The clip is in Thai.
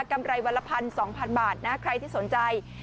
กำไรวันละพันธุ์๒๐๐๐บาทใครที่สนใจ